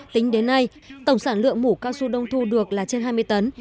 tính đến nay tổng sản lượng mù casu đông thu được là trên hai mươi tấn